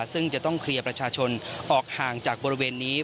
ซึ่งจะต้องเคลียร์ประชาชนออกห่างจากบริเวณนี้